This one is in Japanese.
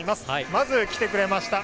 まず来てくれました。